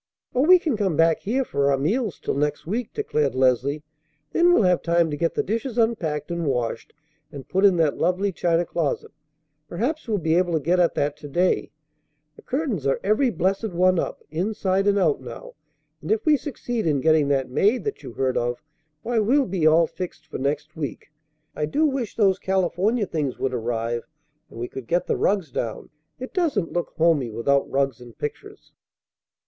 "Oh, we can come back here for our meals till next week," declared Leslie. "Then we'll have time to get the dishes unpacked and washed and put in that lovely china closet. Perhaps we'll be able to get at that to day. The curtains are every blessed one up, inside and out, now; and, if we succeed in getting that maid that you heard of, why, we'll be all fixed for next week. I do wish those California things would arrive and we could get the rugs down. It doesn't look homey without rugs and pictures."